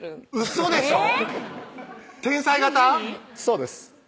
そうです